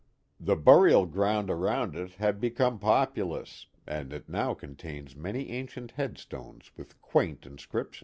The burial ground around il had become populous, and it now contains many ancient headstones with quaint inscriptions.